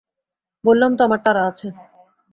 বললাম তো, আমার তাড়া আছে।